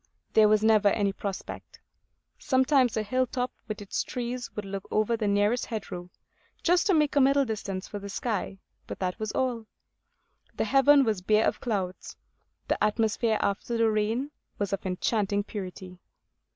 There was never any prospect; sometimes a hill top with its trees would look over the nearest hedgerow, just to make a middle distance for the sky; but that was all. The heaven was bare of clouds. The atmosphere, after the rain, was of enchanting purity.